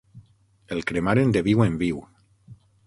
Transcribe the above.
El cremaren de viu en viu.